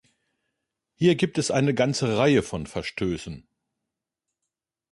Hier gibt es eine ganze Reihe von Verstößen.